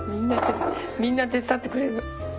みんな手伝ってくれる。